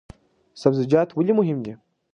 سبزیجات ولې مهم دي؟